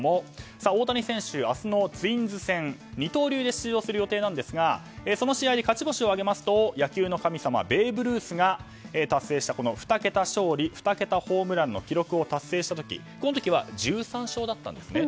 大谷選手、明日のツインズ戦に二刀流で出場する予定ですがその試合で勝ち星を挙げますと野球の神様ベーブ・ルースが達成した２桁勝利２桁ホームランの記録を達成した時は１３勝だったんですね。